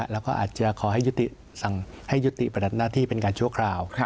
แล้วก็อาจจะขอให้ยุติปฏิบัติหน้าที่เป็นการชั่วคราว